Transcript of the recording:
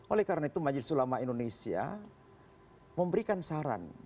oleh karena itu majelis ulama indonesia memberikan saran